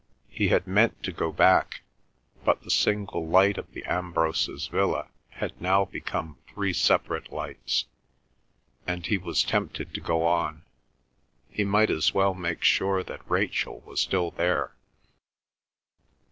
He had meant to go back, but the single light of the Ambroses' villa had now become three separate lights, and he was tempted to go on. He might as well make sure that Rachel was still there.